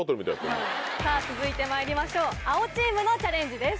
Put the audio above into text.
さぁ続いてまいりましょう青チームのチャレンジです。